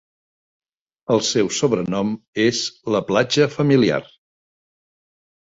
El seu sobrenom és "la platja familiar".